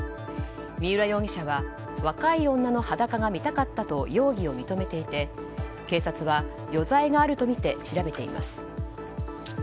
三浦容疑者は若い女の裸が見たかったと容疑を認めていて、警察は余罪があるとみて調べています。